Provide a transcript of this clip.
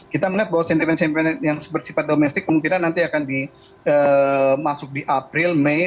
kita melihat bahwa sentimen sentimen yang bersifat domestik kemungkinan nanti akan dimasuk di april mei